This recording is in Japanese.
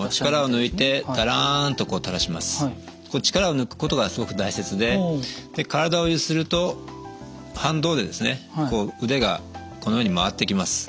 力を抜くことがすごく大切で体を揺すると反動で腕がこのように回ってきます。